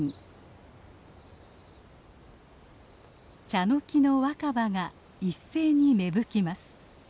チャノキの若葉が一斉に芽吹きます。